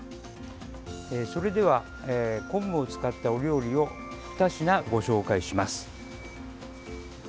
それでは、昆布を使ったお料理を２品ご紹介します。